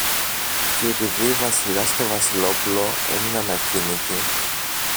Κι επειδή Βασιλιάς και Βασιλόπουλο έμεναν ακίνητοι